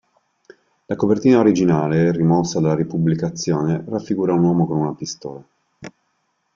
La copertina originale, rimossa dalla ripubblicazione, raffigura un uomo con una pistola.